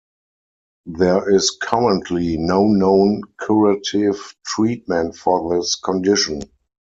There is currently no known curative treatment for this condition.